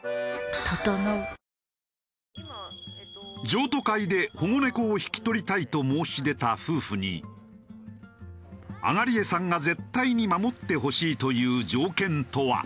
譲渡会で保護猫を引き取りたいと申し出た夫婦に東江さんが絶対に守ってほしいという条件とは？